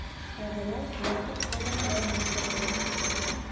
Ә былай ваҡытты ғына әрәм итәһегеҙ!